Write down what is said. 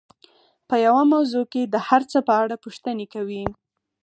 په يوه موضوع کې د هر څه په اړه پوښتنې کوي.